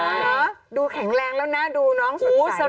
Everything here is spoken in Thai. น่าดูแข็งแรงแล้วน่าดูเนอน้องสดใจ